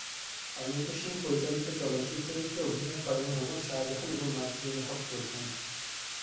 অনন্ত সিং পরিচালিত চলচ্চিত্রটিতে অভিনয় করেন মুহাম্মদ শাহজাহান এবং মাজহারুল হক প্রধান।